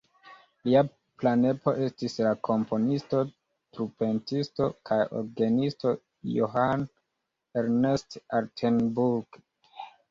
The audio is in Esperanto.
Lia pranepo estis la komponisto, trumpetisto kaj orgenisto Johann Ernst Altenburg.